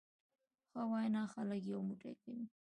ښه وینا خلک یو موټی کوي.